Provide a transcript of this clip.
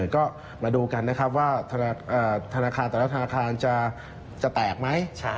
ก็มาดูกันนะครับว่าธนาคารแต่ละธนาคารจะแตกไหม